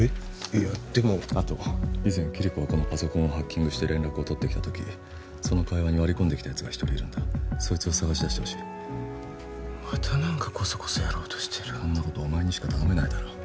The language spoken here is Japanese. いやでもあと以前キリコがこのパソコンをハッキングして連絡を取ってきたときその会話に割り込んできたやつが１人いるんだそいつを捜し出してほしいまた何かコソコソやろうとしてるこんなことお前にしか頼めないだろ